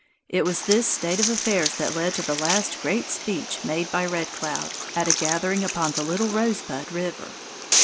It was this state of affairs that led to the last great speech made by Red Cloud, at a gathering upon the Little Rosebud River.